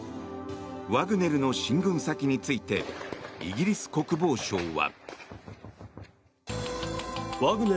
ワグネルの進軍先についてイギリス国防省は。